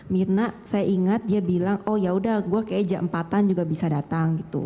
mirna saya ingat dia bilang oh yaudah gue kayaknya jam empat an juga bisa datang gitu